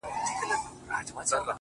مخ ته مي لاس راوړه چي ومي نه خوري ـ